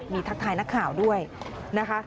มีทักทายนักข่าวด้วยนะคะ